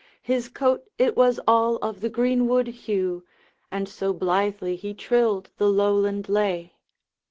His coat it was all of the greenwood hue, And so blithely he trilled the Lowland lay!